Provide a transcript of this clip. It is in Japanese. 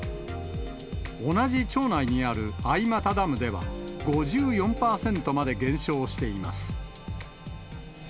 同じ町内にある相俣ダムでは、５４％まで減少しています。